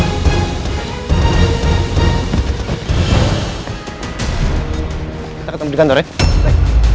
kita ketemu di kantor ya